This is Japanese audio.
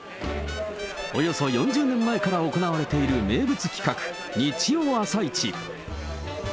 およそ４０年前から行われている名物企画、日曜朝市。